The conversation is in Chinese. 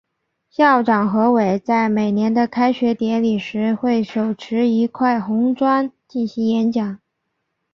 校长何伟在每年的开学典礼时会手持一块红砖进行演讲。